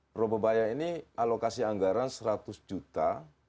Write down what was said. probebaya ini alokasi anggaran seratus juta